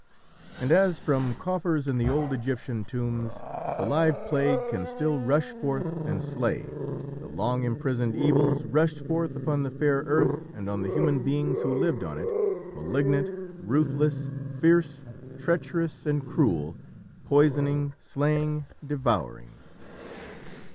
And as from coffers in the old Egyptian tombs, the live plague can still rush forth and slay, the long imprisoned evils rushed forth upon the fair earth and on the human beings who lived on it malignant, ruthless, fierce, treacherous, and cruel poisoning, slaying, devouring.